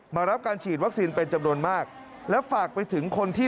มารับการฉีดวัคซีนเป็นจำนวนมากและฝากไปถึงคนที่